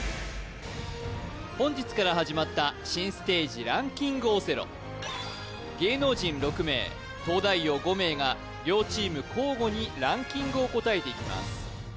本日から始まった新ステージランキングオセロ芸能人６名東大王５名が両チーム交互にランキングを答えていきます